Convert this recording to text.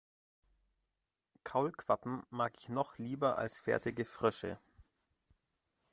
Kaulquappen mag ich noch lieber als fertige Frösche.